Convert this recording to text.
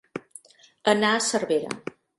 Anar a Cervera.